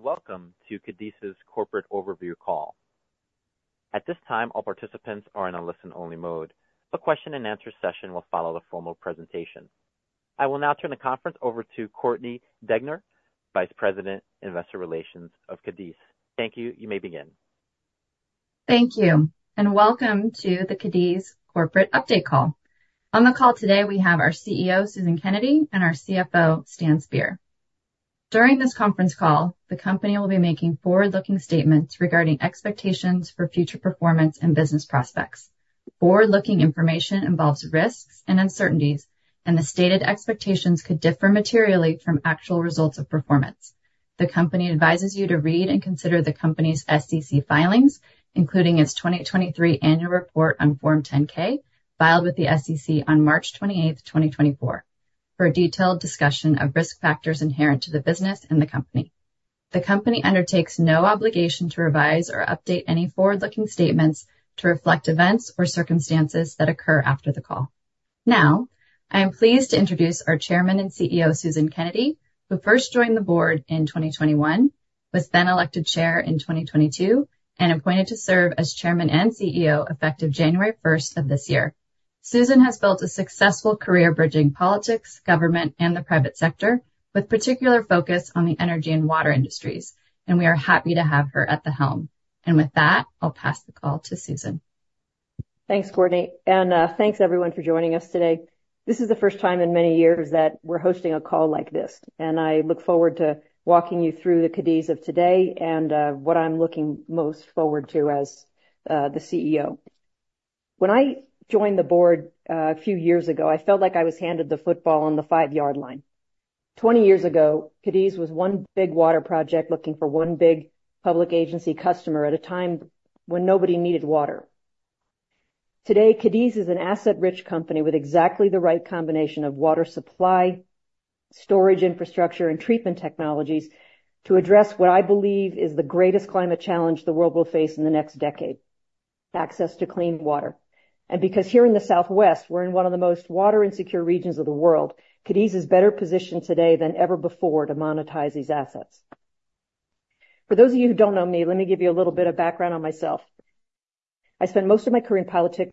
Welcome to Cadiz's corporate overview call. At this time, all participants are in a listen-only mode. A question and answer session will follow the formal presentation. I will now turn the conference over to Courtney Degener, Vice President, Investor Relations of Cadiz. Thank you. You may begin. Thank you. Welcome to the Cadiz corporate update call. On the call today, we have our CEO, Susan Kennedy, and our CFO, Stan Speer. During this conference call, the company will be making forward-looking statements regarding expectations for future performance and business prospects. Forward-looking information involves risks and uncertainties, and the stated expectations could differ materially from actual results of performance. The company advises you to read and consider the company's SEC filings, including its 2023 annual report on Form 10-K, filed with the SEC on March 28th, 2024, for a detailed discussion of risk factors inherent to the business and the company. The company undertakes no obligation to revise or update any forward-looking statements to reflect events or circumstances that occur after the call. I am pleased to introduce our Chairman and CEO, Susan Kennedy, who first joined the board in 2021, was then elected Chair in 2022, and appointed to serve as Chairman and CEO effective January 1st of this year. Susan has built a successful career bridging politics, government, and the private sector with particular focus on the energy and water industries, and we are happy to have her at the helm. With that, I'll pass the call to Susan. Thanks, Courtney. Thanks everyone for joining us today. This is the first time in many years that we're hosting a call like this, and I look forward to walking you through the Cadiz of today and what I'm looking most forward to as the CEO. When I joined the board a few years ago, I felt like I was handed the football on the five-yard line. 20 years ago, Cadiz was one big water project looking for one big public agency customer at a time when nobody needed water. Today, Cadiz is an asset-rich company with exactly the right combination of water supply, storage infrastructure, and treatment technologies to address what I believe is the greatest climate challenge the world will face in the next decade: access to clean water. Because here in the Southwest, we're in one of the most water insecure regions of the world, Cadiz is better positioned today than ever before to monetize these assets. For those of you who don't know me, let me give you a little bit of background on myself. I spent most of my career in politics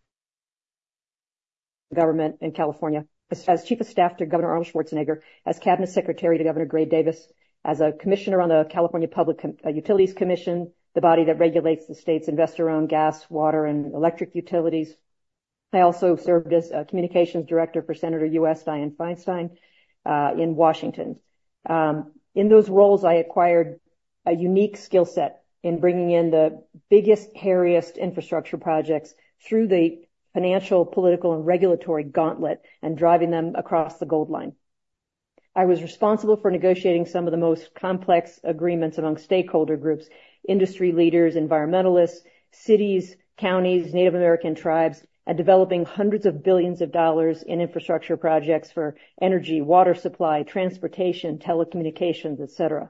government in California as chief of staff to Governor Arnold Schwarzenegger, as cabinet secretary to Governor Gray Davis, as a commissioner on the California Public Utilities Commission, the body that regulates the state's investor-owned gas, water, and electric utilities. I also served as communications director for Senator U.S. Dianne Feinstein, in Washington. In those roles, I acquired a unique skill set in bringing in the biggest, hairiest infrastructure projects through the financial, political, and regulatory gauntlet and driving them across the gold line. I was responsible for negotiating some of the most complex agreements among stakeholder groups, industry leaders, environmentalists, cities, counties, Native American tribes, and developing hundreds of billions of dollars in infrastructure projects for energy, water supply, transportation, telecommunications, et cetera.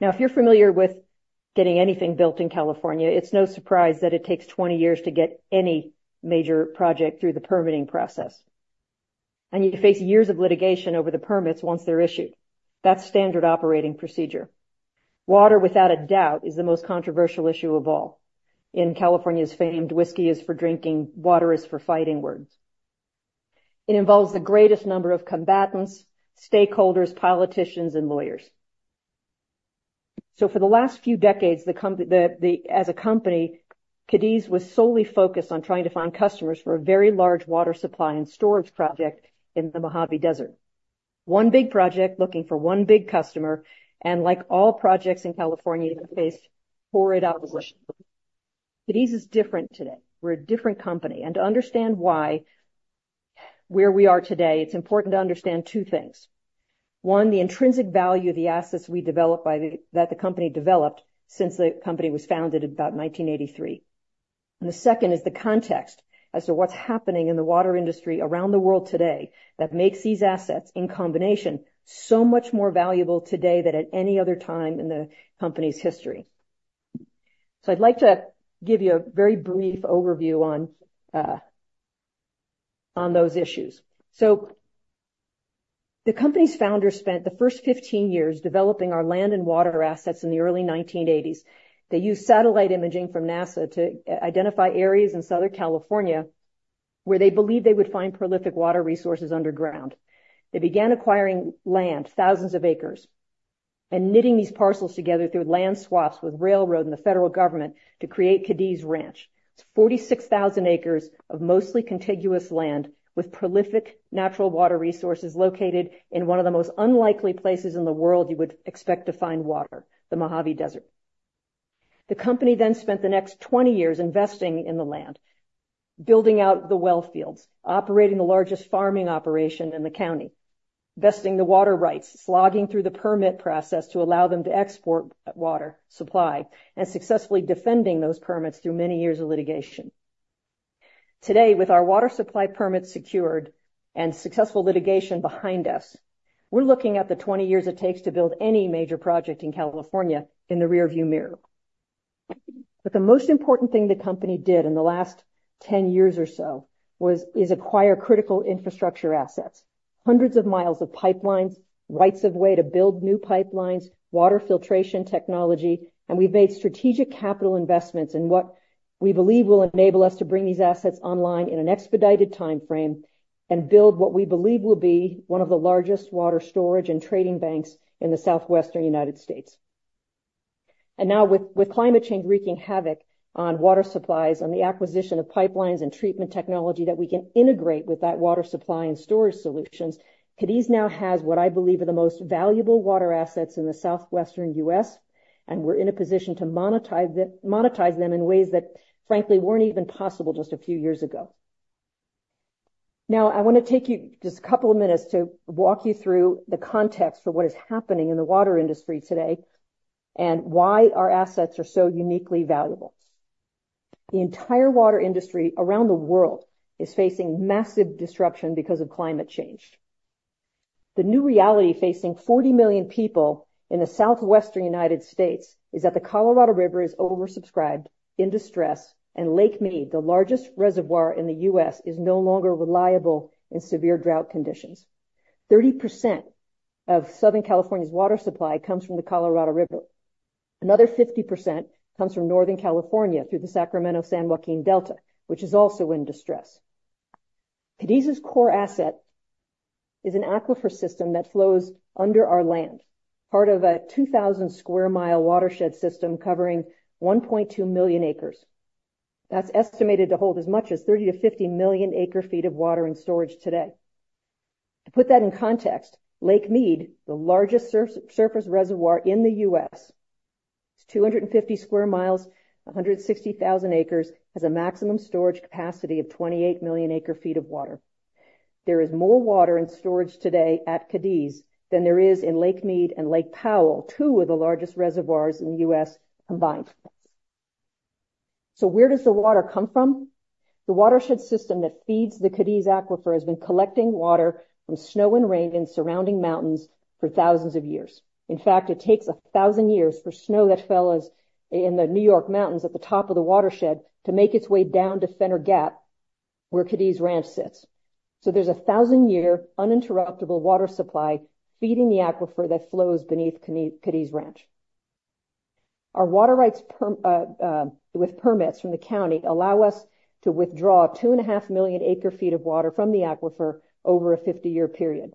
If you're familiar with getting anything built in California, it's no surprise that it takes 20 years to get any major project through the permitting process. You face years of litigation over the permits once they're issued. That's standard operating procedure. Water, without a doubt, is the most controversial issue of all. In California's famed, "Whiskey is for drinking, water is for fighting," words. It involves the greatest number of combatants, stakeholders, politicians, and lawyers. For the last few decades, as a company, Cadiz was solely focused on trying to find customers for a very large water supply and storage project in the Mojave Desert. One big project looking for one big customer, like all projects in California, faced horrid opposition. Cadiz is different today. We're a different company. To understand why, where we are today, it's important to understand two things. One, the intrinsic value of the assets that the company developed since the company was founded in about 1983. The second is the context as to what's happening in the water industry around the world today that makes these assets, in combination, so much more valuable today than at any other time in the company's history. I'd like to give you a very brief overview on those issues. The company's founders spent the first 15 years developing our land and water assets in the early 1980s. They used satellite imaging from NASA to identify areas in Southern California where they believed they would find prolific water resources underground. They began acquiring land, thousands of acres, and knitting these parcels together through land swaps with railroad and the federal government to create Cadiz Ranch. It's 46,000 acres of mostly contiguous land with prolific natural water resources located in one of the most unlikely places in the world you would expect to find water, the Mojave Desert. The company spent the next 20 years investing in the land, building out the well fields, operating the largest farming operation in the county, investing the water rights, slogging through the permit process to allow them to export water supply, and successfully defending those permits through many years of litigation. Today, with our water supply permits secured and successful litigation behind us, we're looking at the 20 years it takes to build any major project in California in the rearview mirror. The most important thing the company did in the last 10 years or so was, is acquire critical infrastructure assets. Hundreds of miles of pipelines, rights of way to build new pipelines, water filtration technology, and we've made strategic capital investments in what we believe will enable us to bring these assets online in an expedited timeframe and build what we believe will be one of the largest water storage and trading banks in the southwestern U.S. Now with climate change wreaking havoc on water supplies and the acquisition of pipelines and treatment technology that we can integrate with that water supply and storage solutions, Cadiz now has what I believe are the most valuable water assets in the southwestern U.S., and we're in a position to monetize them in ways that, frankly, weren't even possible just a few years ago. I want to take you just a couple of minutes to walk you through the context for what is happening in the water industry today and why our assets are so uniquely valuable. The entire water industry around the world is facing massive disruption because of climate change. The new reality facing 40 million people in the southwestern U.S. is that the Colorado River is oversubscribed, in distress, and Lake Mead, the largest reservoir in the U.S., is no longer reliable in severe drought conditions. 30% of Southern California's water supply comes from the Colorado River. Another 50% comes from Northern California through the Sacramento-San Joaquin Delta, which is also in distress. Cadiz's core asset is an aquifer system that flows under our land, part of a 2,000 square mile watershed system covering 1.2 million acres. That's estimated to hold as much as 30-50 million acre-feet of water in storage today. To put that in context, Lake Mead, the largest surface reservoir in the U.S., is 250 square miles, 160,000 acres, has a maximum storage capacity of 28 million acre-feet of water. There is more water in storage today at Cadiz than there is in Lake Mead and Lake Powell, two of the largest reservoirs in the U.S. combined. Where does the water come from? The watershed system that feeds the Cadiz Aquifer has been collecting water from snow and rain in surrounding mountains for thousands of years. In fact, it takes a thousand years for snow that fell in the New York Mountains at the top of the watershed to make its way down to Fenner Gap, where Cadiz Ranch sits. There's a thousand-year uninterruptible water supply feeding the aquifer that flows beneath Cadiz Ranch. Our water rights, with permits from the county, allow us to withdraw two and a half million acre-feet of water from the aquifer over a 50-year period.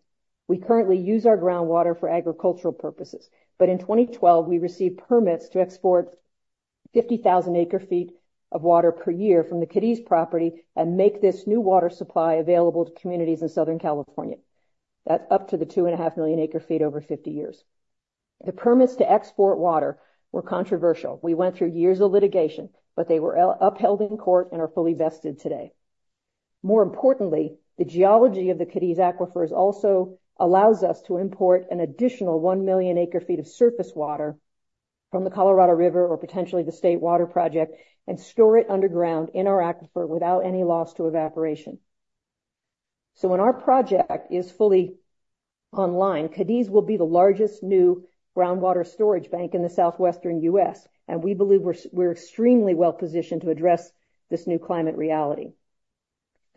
We currently use our groundwater for agricultural purposes. In 2012, we received permits to export 50,000 acre-feet of water per year from the Cadiz property and make this new water supply available to communities in Southern California. That's up to the 2.5 million acre-feet over 50 years. The permits to export water were controversial. We went through years of litigation, but they were upheld in court and are fully vested today. More importantly, the geology of the Cadiz Aquifers also allows us to import an additional 1 million acre-feet of surface water from the Colorado River or potentially the State Water Project and store it underground in our aquifer without any loss to evaporation. When our project is fully online, Cadiz will be the largest new groundwater storage bank in the southwestern U.S., and we believe we're extremely well-positioned to address this new climate reality.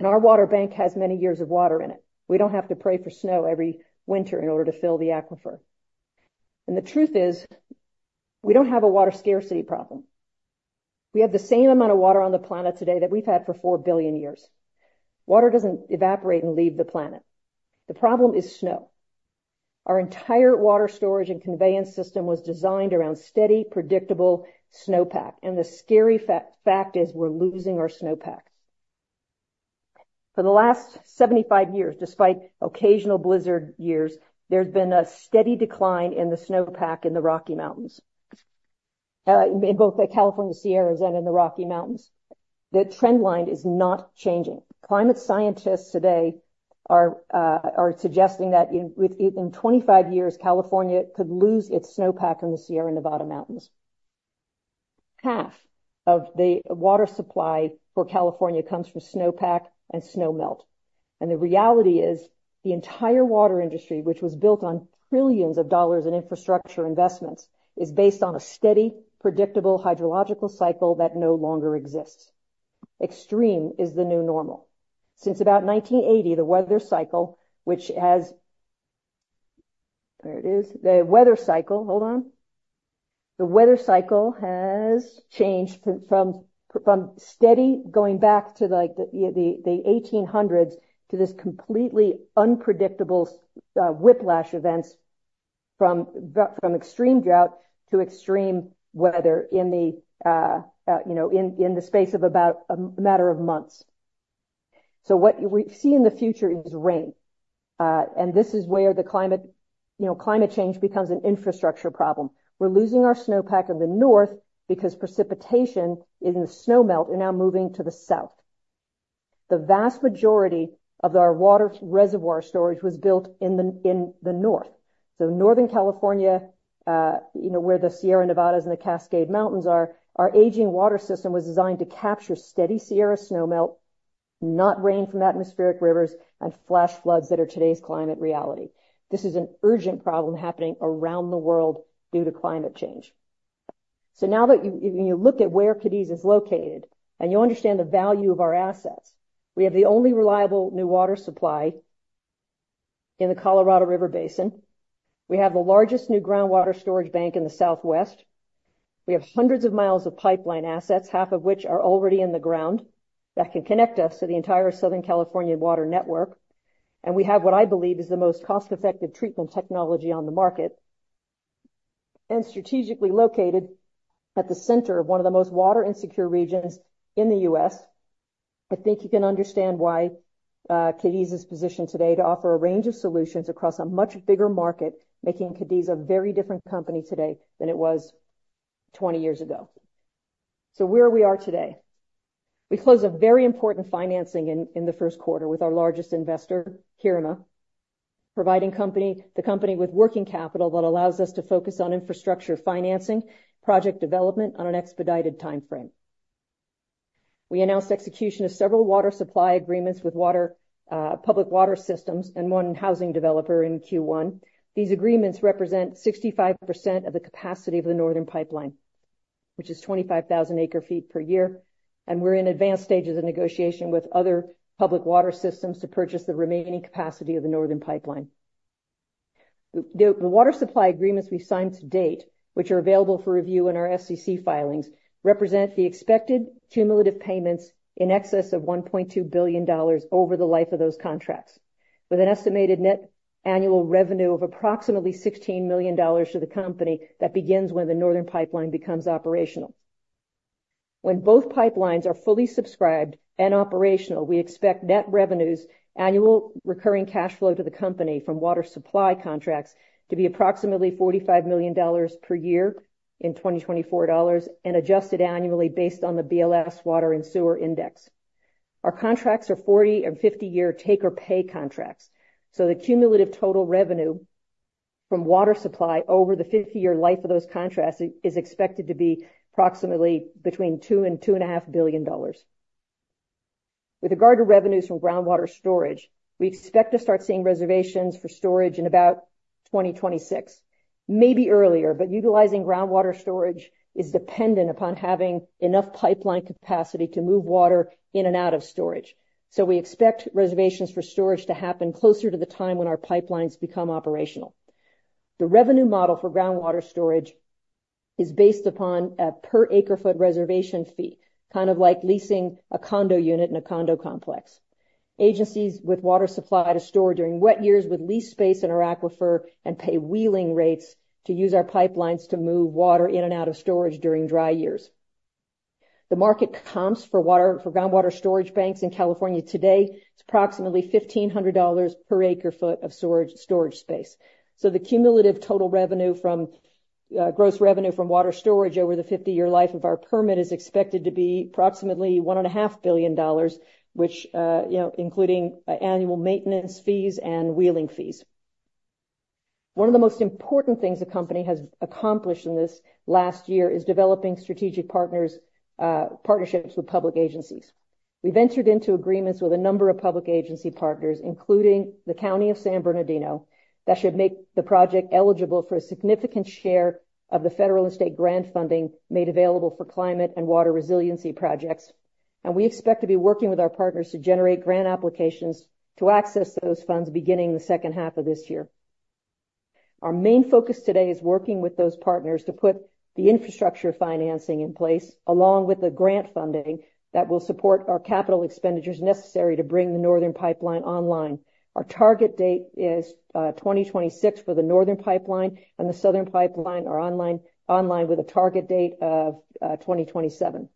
Our water bank has many years of water in it. We don't have to pray for snow every winter in order to fill the aquifer. The truth is, we don't have a water scarcity problem. We have the same amount of water on the planet today that we've had for 4 billion years. Water doesn't evaporate and leave the planet. The problem is snow. Our entire water storage and conveyance system was designed around steady, predictable snowpack, and the scary fact is we're losing our snowpack. For the last 75 years, despite occasional blizzard years, there's been a steady decline in the snowpack in the Rocky Mountains. In both the California Sierras and in the Rocky Mountains. The trend line is not changing. Climate scientists today are suggesting that in 25 years, California could lose its snowpack in the Sierra Nevada Mountains. Half of the water supply for California comes from snowpack and snow melt. The reality is, the entire water industry, which was built on trillions of dollars in infrastructure investments, is based on a steady, predictable hydrological cycle that no longer exists. Extreme is the new normal. Since about 1980, the weather cycle, which has changed from steady going back to like the 1800s to this completely unpredictable whiplash events from extreme drought to extreme weather in the space of about a matter of months. What we see in the future is rain. This is where the climate change becomes an infrastructure problem. We're losing our snowpack in the north because precipitation and the snow melt are now moving to the south. The vast majority of our water reservoir storage was built in the north. Northern California, where the Sierra Nevadas and the Cascade Mountains are. Our aging water system was designed to capture steady Sierra snow melt, not rain from atmospheric rivers and flash floods that are today's climate reality. This is an urgent problem happening around the world due to climate change. Now that you look at where Cadiz is located and you understand the value of our assets, we have the only reliable new water supply in the Colorado River basin. We have the largest new groundwater storage bank in the Southwest. We have hundreds of miles of pipeline assets, half of which are already in the ground, that can connect us to the entire Southern California water network. We have what I believe is the most cost-effective treatment technology on the market. Strategically located at the center of one of the most water insecure regions in the U.S. I think you can understand why Cadiz is positioned today to offer a range of solutions across a much bigger market, making Cadiz a very different company today than it was 20 years ago. Where we are today, we closed a very important financing in the first quarter with our largest investor, Heerema, providing the company with working capital that allows us to focus on infrastructure financing, project development on an expedited timeframe. We announced execution of several water supply agreements with public water systems and one housing developer in Q1. These agreements represent 65% of the capacity of the northern pipeline, which is 25,000 acre-feet per year, and we're in advanced stages of negotiation with other public water systems to purchase the remaining capacity of the northern pipeline. The water supply agreements we've signed to date, which are available for review in our SEC filings, represent the expected cumulative payments in excess of $1.2 billion over the life of those contracts, with an estimated net annual revenue of approximately $16 million to the company that begins when the northern pipeline becomes operational. When both pipelines are fully subscribed and operational, we expect net revenues annual recurring cash flow to the company from water supply contracts to be approximately $45 million per year in 2024 dollars and adjusted annually based on the BLS Water and Sewer Index. Our contracts are 40- and 50-year take or pay contracts. The cumulative total revenue from water supply over the 50-year life of those contracts is expected to be approximately between $2 billion and $2.5 billion. With regard to revenues from groundwater storage, we expect to start seeing reservations for storage in about 2026, maybe earlier. Utilizing groundwater storage is dependent upon having enough pipeline capacity to move water in and out of storage. We expect reservations for storage to happen closer to the time when our pipelines become operational. The revenue model for groundwater storage is based upon a per acre-foot reservation fee, kind of like leasing a condo unit in a condo complex. Agencies with water supply to store during wet years would lease space in our aquifer and pay wheeling rates to use our pipelines to move water in and out of storage during dry years. The market comps for groundwater storage banks in California today, it's approximately $1,500 per acre-foot of storage space. The cumulative total gross revenue from water storage over the 50-year life of our permit is expected to be approximately $1.5 billion, including annual maintenance fees and wheeling fees. One of the most important things the company has accomplished in this last year is developing strategic partnerships with public agencies. We've entered into agreements with a number of public agency partners, including the County of San Bernardino, that should make the project eligible for a significant share of the federal and state grant funding made available for climate and water resiliency projects. We expect to be working with our partners to generate grant applications to access those funds beginning the second half of this year. Our main focus today is working with those partners to put the infrastructure financing in place, along with the grant funding that will support our capital expenditures necessary to bring the northern pipeline online. Our target date is 2026 for the northern pipeline and the southern pipeline online with a target date of 2027.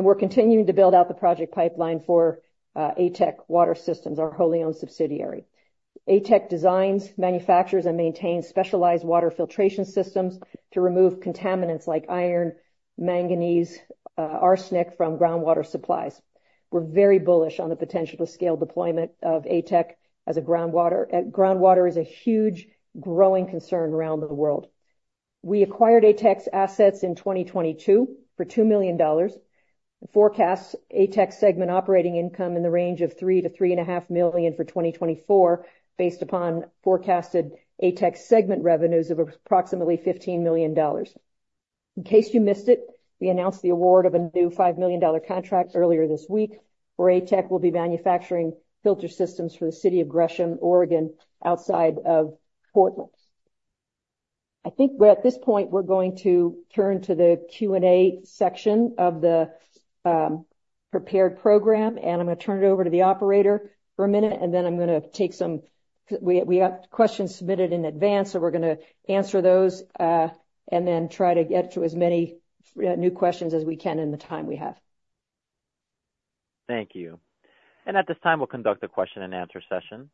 We're continuing to build out the project pipeline for ATEC Water Systems, our wholly owned subsidiary. ATEC designs, manufactures, and maintains specialized water filtration systems to remove contaminants like iron, manganese, arsenic from groundwater supplies. We're very bullish on the potential to scale deployment of ATEC as a groundwater. Groundwater is a huge growing concern around the world. We acquired ATEC's assets in 2022 for $2 million. Forecasts ATEC segment operating income in the range of $3 million-$3.5 million for 2024, based upon forecasted ATEC segment revenues of approximately $15 million. In case you missed it, we announced the award of a new $5 million contract earlier this week, where ATEC will be manufacturing filter systems for the city of Gresham, Oregon, outside of Portland. I think at this point, we're going to turn to the Q&A section of the prepared program. I'm going to turn it over to the operator for a minute. We have questions submitted in advance, so we're going to answer those, and then try to get to as many new questions as we can in the time we have. Thank you. At this time, we'll conduct a question and answer session.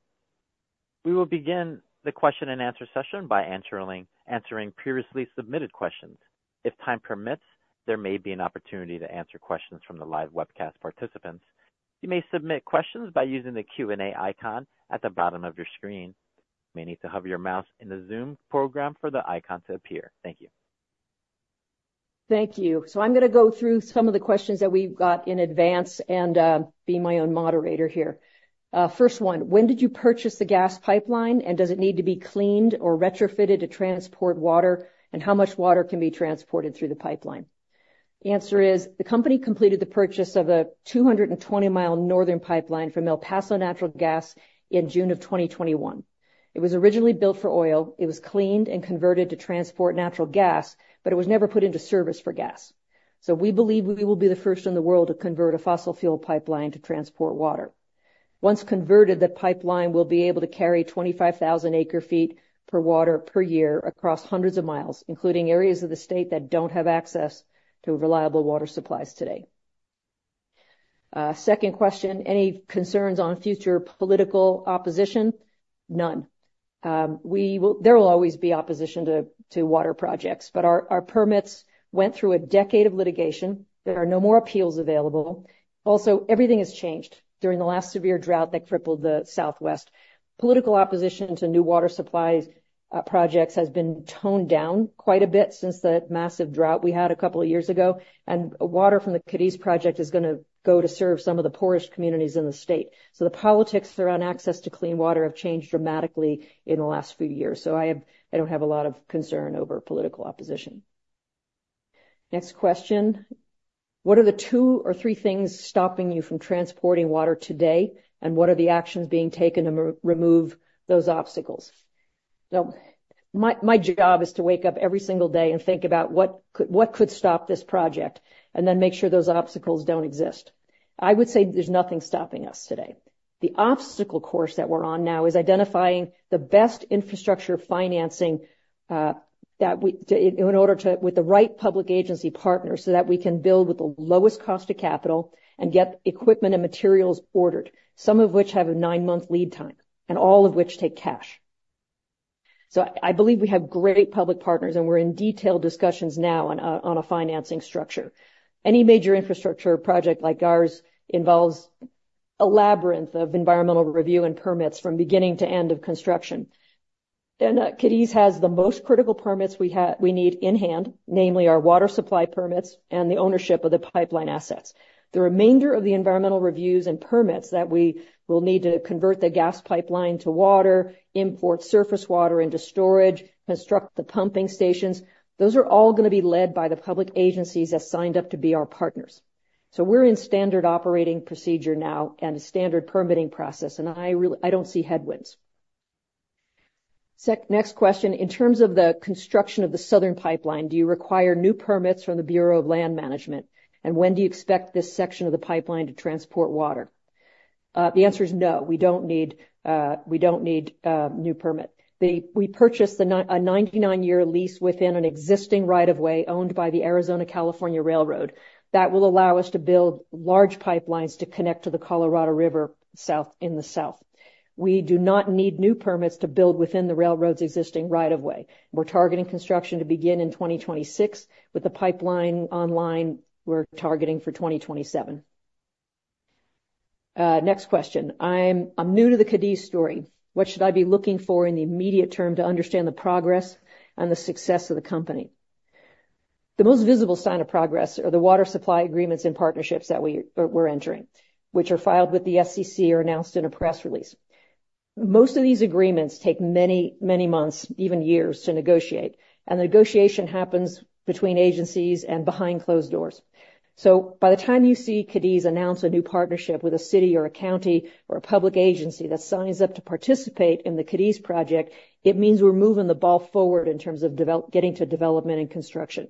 We will begin the question and answer session by answering previously submitted questions. If time permits, there may be an opportunity to answer questions from the live webcast participants. You may submit questions by using the Q&A icon at the bottom of your screen. You may need to hover your mouse in the Zoom program for the icon to appear. Thank you. Thank you. I'm going to go through some of the questions that we've got in advance and be my own moderator here. First one, when did you purchase the gas pipeline, and does it need to be cleaned or retrofitted to transport water? And how much water can be transported through the pipeline? The answer is the company completed the purchase of a 220-mile northern pipeline from El Paso Natural Gas in June of 2021. It was originally built for oil. It was cleaned and converted to transport natural gas, but it was never put into service for gas. We believe we will be the first in the world to convert a fossil fuel pipeline to transport water. Once converted, the pipeline will be able to carry 25,000 acre-feet per water per year across hundreds of miles, including areas of the state that don't have access to reliable water supplies today. Second question, any concerns on future political opposition? None. There will always be opposition to water projects, but our permits went through a decade of litigation. There are no more appeals available. Also, everything has changed during the last severe drought that crippled the Southwest. Political opposition to new water supplies projects has been toned down quite a bit since that massive drought we had a couple of years ago, and water from the Cadiz project is going to go to serve some of the poorest communities in the state. The politics around access to clean water have changed dramatically in the last few years. I don't have a lot of concern over political opposition. Next question. What are the two or three things stopping you from transporting water today, and what are the actions being taken to remove those obstacles? My job is to wake up every single day and think about what could stop this project, then make sure those obstacles don't exist. I would say there's nothing stopping us today. The obstacle course that we're on now is identifying the best infrastructure financing with the right public agency partners so that we can build with the lowest cost of capital and get equipment and materials ordered, some of which have a nine-month lead time, and all of which take cash. I believe we have great public partners, and we're in detailed discussions now on a financing structure. Any major infrastructure project like ours involves a labyrinth of environmental review and permits from beginning to end of construction. Cadiz has the most critical permits we need in hand, namely our water supply permits and the ownership of the pipeline assets. The remainder of the environmental reviews and permits that we will need to convert the gas pipeline to water, import surface water into storage, construct the pumping stations, those are all going to be led by the public agencies that signed up to be our partners. We're in standard operating procedure now and a standard permitting process, I don't see headwinds. Next question, in terms of the construction of the southern pipeline, do you require new permits from the Bureau of Land Management? When do you expect this section of the pipeline to transport water? The answer is no, we don't need a new permit. We purchased a 99-year lease within an existing right of way owned by the Arizona & California Railroad that will allow us to build large pipelines to connect to the Colorado River in the south. We do not need new permits to build within the railroad's existing right of way. We're targeting construction to begin in 2026. With the pipeline online, we're targeting for 2027. Next question. I'm new to the Cadiz story. What should I be looking for in the immediate term to understand the progress and the success of the company? The most visible sign of progress are the water supply agreements and partnerships that we're entering, which are filed with the SEC or announced in a press release. Most of these agreements take many, many months, even years, to negotiate, and the negotiation happens between agencies and behind closed doors. By the time you see Cadiz announce a new partnership with a city or a county or a public agency that signs up to participate in the Cadiz project, it means we're moving the ball forward in terms of getting to development and construction.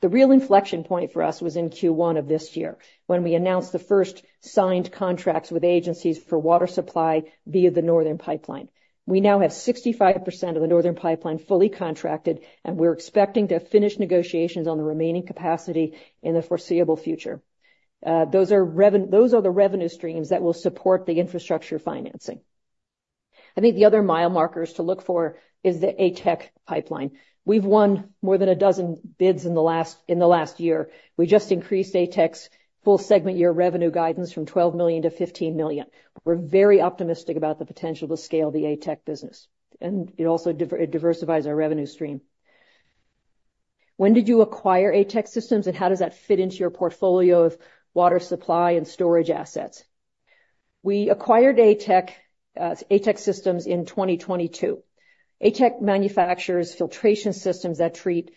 The real inflection point for us was in Q1 of this year when we announced the first signed contracts with agencies for water supply via the northern pipeline. We now have 65% of the northern pipeline fully contracted, and we're expecting to finish negotiations on the remaining capacity in the foreseeable future. Those are the revenue streams that will support the infrastructure financing. I think the other mile markers to look for is the ATEC pipeline. We've won more than a dozen bids in the last year. We just increased ATEC's full segment year revenue guidance from $12 million to $15 million. We're very optimistic about the potential to scale the ATEC business, and it also diversifies our revenue stream. When did you acquire ATEC Systems and how does that fit into your portfolio of water supply and storage assets? We acquired ATEC Systems in 2022. ATEC manufactures filtration systems that treat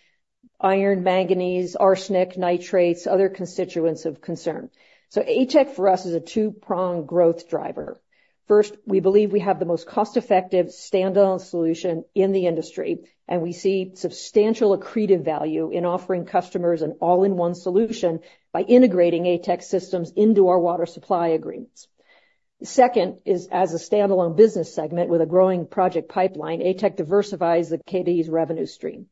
iron, manganese, arsenic, nitrates, other constituents of concern. ATEC for us is a two-pronged growth driver. First, we believe we have the most cost-effective standalone solution in the industry, and we see substantial accretive value in offering customers an all-in-one solution by integrating ATEC systems into our water supply agreements. Second is, as a standalone business segment with a growing project pipeline, ATEC diversifies the Cadiz revenue stream.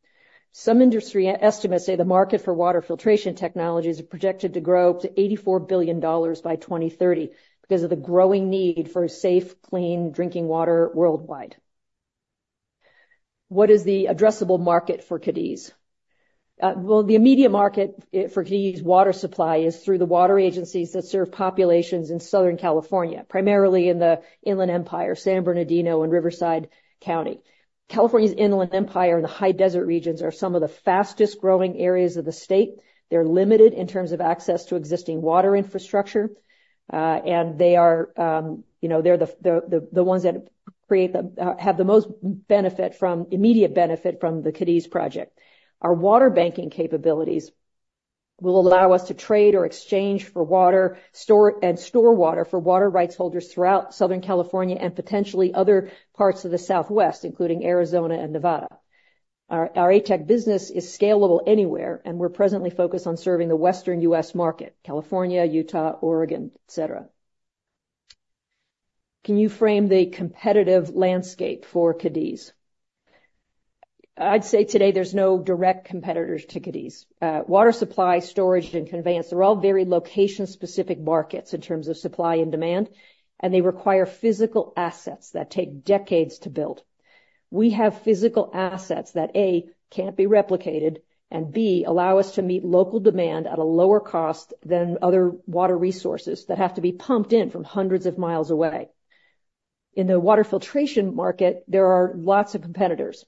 Some industry estimates say the market for water filtration technologies are projected to grow up to $84 billion by 2030 because of the growing need for safe, clean drinking water worldwide. What is the addressable market for Cadiz? The immediate market for Cadiz water supply is through the water agencies that serve populations in Southern California, primarily in the Inland Empire, San Bernardino, and Riverside County. California's Inland Empire and the high desert regions are some of the fastest-growing areas of the state. They're limited in terms of access to existing water infrastructure. They're the ones that have the most immediate benefit from the Cadiz project. Our water banking capabilities will allow us to trade or exchange for water and store water for water rights holders throughout Southern California and potentially other parts of the Southwest, including Arizona and Nevada. Our ATEC business is scalable anywhere, and we're presently focused on serving the Western U.S. market, California, Utah, Oregon, et cetera. Can you frame the competitive landscape for Cadiz? I'd say today there's no direct competitors to Cadiz. Water supply, storage, and conveyance are all very location-specific markets in terms of supply and demand, and they require physical assets that take decades to build. We have physical assets that, A, can't be replicated, and B, allow us to meet local demand at a lower cost than other water resources that have to be pumped in from hundreds of miles away. In the water filtration market, there are lots of competitors,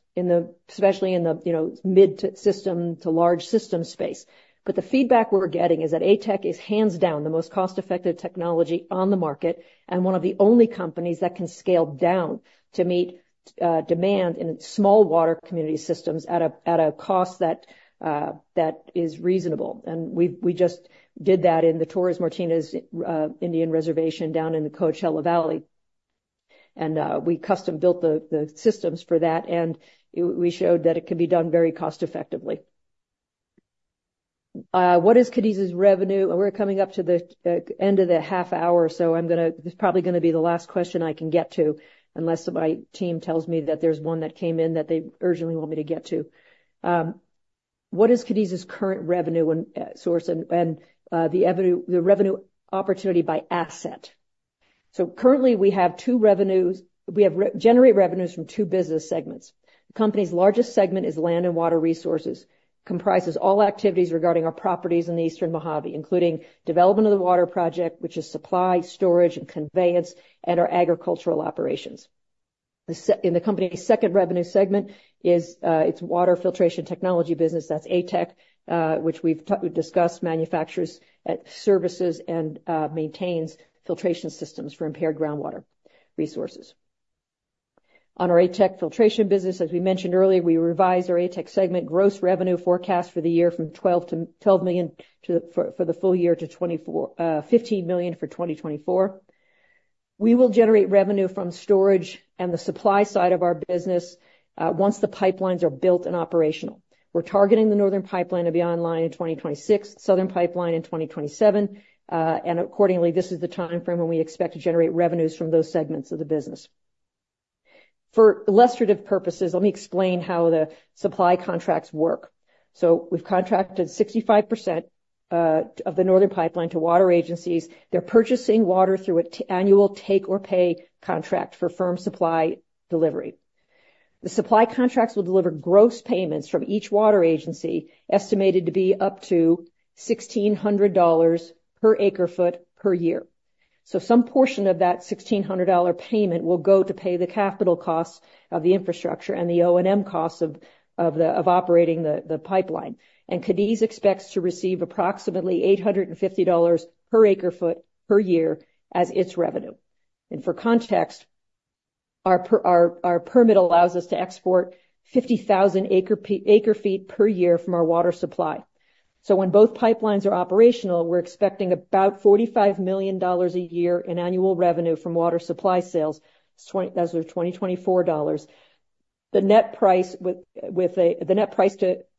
especially in the mid to large system space. The feedback we're getting is that ATEC is hands down the most cost-effective technology on the market and one of the only companies that can scale down to meet demand in small water community systems at a cost that is reasonable. We just did that in the Torres Martinez Indian Reservation down in the Coachella Valley, and we custom-built the systems for that, and we showed that it can be done very cost effectively. What is Cadiz's revenue? We're coming up to the end of the half hour, so this is probably going to be the last question I can get to, unless my team tells me that there's one that came in that they urgently want me to get to. What is Cadiz's current revenue source and the revenue opportunity by asset? Currently, we generate revenues from two business segments. The company's largest segment is land and water resources. Comprises all activities regarding our properties in the Eastern Mojave, including development of the water project, which is supply, storage, and conveyance, and our agricultural operations. The company's second revenue segment is its water filtration technology business. That's ATEC, which we've discussed, manufactures, services, and maintains filtration systems for impaired groundwater resources. Our ATEC filtration business, as we mentioned earlier, we revised our ATEC segment gross revenue forecast for the year from $12 million for the full year to $15 million for 2024. We will generate revenue from storage and the supply side of our business once the pipelines are built and operational. We're targeting the northern pipeline to be online in 2026, southern pipeline in 2027. Accordingly, this is the timeframe when we expect to generate revenues from those segments of the business. For illustrative purposes, let me explain how the supply contracts work. We've contracted 65% of the northern pipeline to water agencies. They're purchasing water through an annual take or pay contract for firm supply delivery. The supply contracts will deliver gross payments from each water agency, estimated to be up to $1,600 per acre-foot per year. Some portion of that $1,600 payment will go to pay the capital costs of the infrastructure and the O&M costs of operating the pipeline. Cadiz expects to receive approximately $850 per acre-foot per year as its revenue. For context, our permit allows us to export 50,000 acre-feet per year from our water supply. When both pipelines are operational, we're expecting about $45 million a year in annual revenue from water supply sales. Those are 2024 dollars. The net price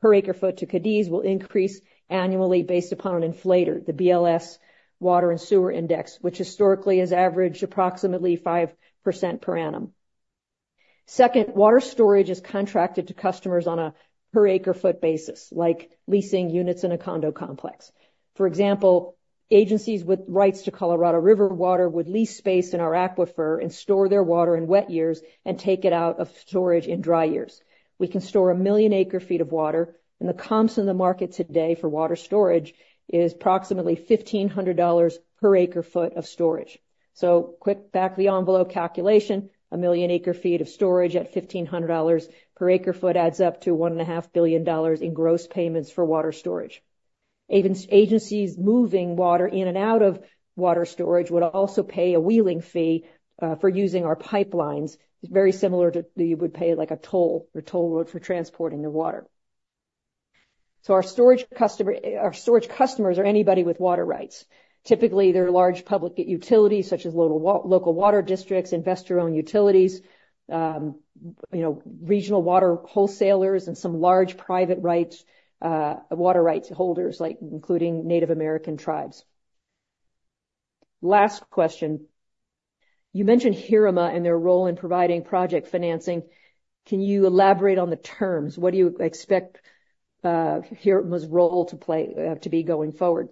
per acre-foot to Cadiz will increase annually based upon an inflator, the BLS Water and Sewer Index, which historically has averaged approximately 5% per annum. Second, water storage is contracted to customers on a per acre-foot basis, like leasing units in a condo complex. For example, agencies with rights to Colorado River water would lease space in our aquifer and store their water in wet years and take it out of storage in dry years. We can store 1 million acre-feet of water, and the comps in the market today for water storage is approximately $1,500 per acre-foot of storage. Quick back-of-the-envelope calculation, 1 million acre-feet of storage at $1,500 per acre-foot adds up to $1.5 billion in gross payments for water storage. Agencies moving water in and out of water storage would also pay a wheeling fee for using our pipelines. It's very similar to you would pay a toll or toll road for transporting the water. Our storage customers are anybody with water rights. Typically, they're large public utilities such as local water districts, investor-owned utilities, regional water wholesalers, and some large private water rights holders, including Native American tribes. Last question. You mentioned Heerema and their role in providing project financing. Can you elaborate on the terms? What do you expect Heerema's role to be going forward?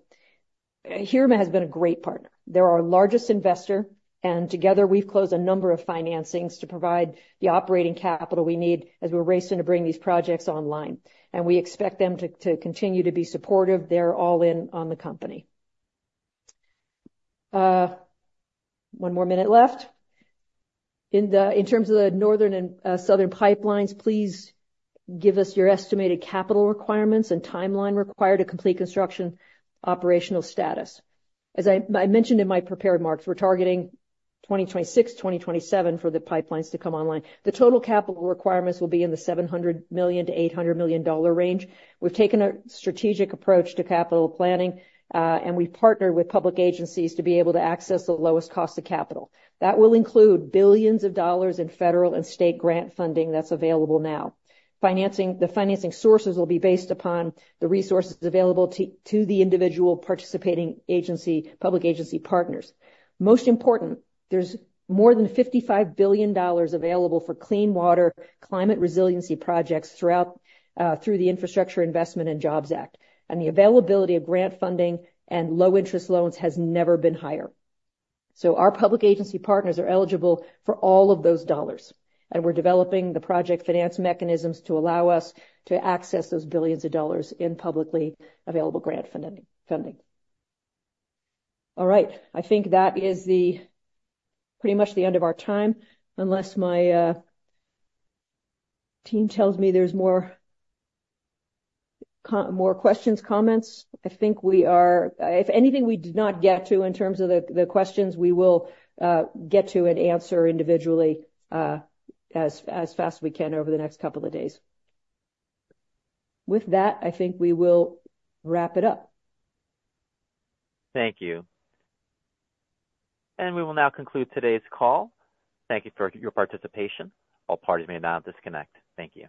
Heerema has been a great partner. They're our largest investor, and together we've closed a number of financings to provide the operating capital we need as we're racing to bring these projects online. We expect them to continue to be supportive. They're all in on the company. One more minute left. "In terms of the northern and southern pipelines, please give us your estimated capital requirements and timeline required to complete construction operational status." As I mentioned in my prepared remarks, we're targeting 2026, 2027 for the pipelines to come online. The total capital requirements will be in the $700 million-$800 million range. We've taken a strategic approach to capital planning, and we've partnered with public agencies to be able to access the lowest cost of capital. That will include billions of dollars in federal and state grant funding that's available now. The financing sources will be based upon the resources available to the individual participating public agency partners. Most important, there's more than $55 billion available for clean water climate resiliency projects through the Infrastructure Investment and Jobs Act. The availability of grant funding and low-interest loans has never been higher. Our public agency partners are eligible for all of those dollars, and we're developing the project finance mechanisms to allow us to access those billions of dollars in publicly available grant funding. All right. I think that is pretty much the end of our time, unless my team tells me there's more questions, comments. If anything we did not get to in terms of the questions, we will get to and answer individually, as fast as we can over the next couple of days. With that, I think we will wrap it up. Thank you. We will now conclude today's call. Thank you for your participation. All parties may now disconnect. Thank you.